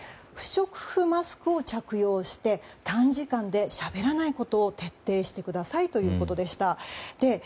不織布マスクを着用して短時間でしゃべらないことを徹底してくださいということでした。